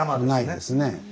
ないですね。